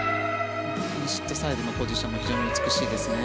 シットサイドのポジションが非常に美しいですね。